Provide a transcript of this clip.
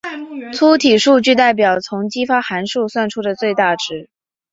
粗体数据代表从激发函数算出的最大值。